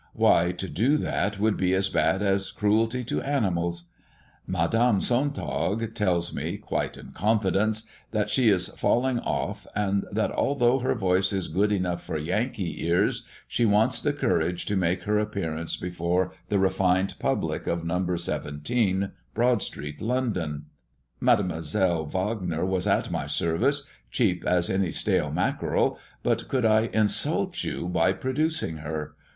Why, to do that would be as bad as cruelty to animals. Madame Sontag tells me, quite in confidence, that she is falling off, and that, although her voice is good enough for Yankee ears, she wants the courage to make her appearance before the refined public of No. 17, Broad street, London. Mdlle. Wagner was at my service, cheap as any stale mackerel; but could I insult you by producing her?